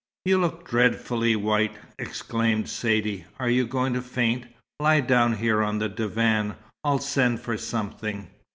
"You look dreadfully white!" exclaimed Saidee. "Are you going to faint? Lie down here on this divan. I'll send for something."